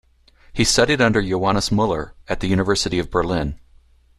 He studied under Johannes Muller at the University of Berlin.